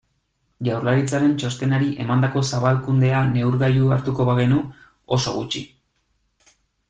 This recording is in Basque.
Jaurlaritzaren txostenari emandako zabalkundea neurgailu hartuko bagenu, oso gutxi.